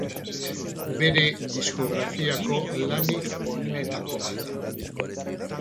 Bere diskografiako lanik onenetako bat da.